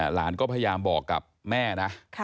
หลานก็พยายามบอกกับแม่นะ